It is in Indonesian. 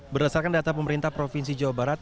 berdasarkan data pemerintah provinsi jawa barat